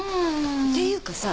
っていうかさ